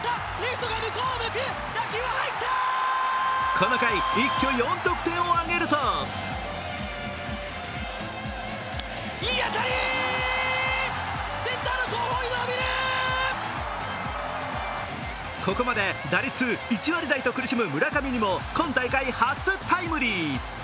この回、一挙４得点を挙げるとここまで打率１割台と苦しむ村上にも今大会初タイムリー。